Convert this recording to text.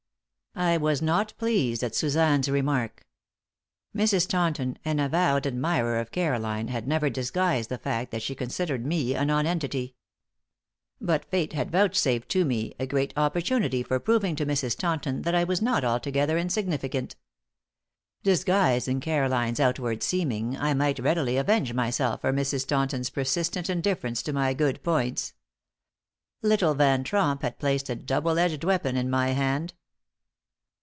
I was not pleased at Suzanne's remark. Mrs. Taunton, an avowed admirer of Caroline, had never disguised the fact that she considered me a nonentity. But fate had vouchsafed to me a great opportunity for proving to Mrs. Taunton that I was not altogether insignificant. Disguised in Caroline's outward seeming I might readily avenge myself for Mrs. Taunton's persistent indifference to my good points. Little Van Tromp had placed a double edged weapon in my hand.